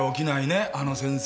あの先生は。